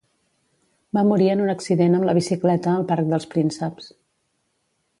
Va morir en un accident amb la bicicleta al Parc dels Prínceps.